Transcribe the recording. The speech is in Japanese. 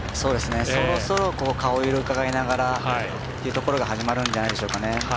そろそろ顔色伺いながらというところが始まるんじゃないでしょうか。